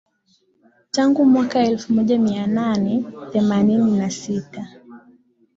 tangu mwaka elfu moja mia name themanini na sita